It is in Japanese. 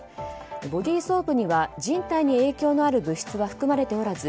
ボディーソープには人体に影響のある物質は含まれておらず